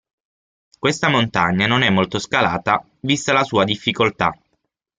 Questa montagna non è molto scalata vista la sua difficoltà.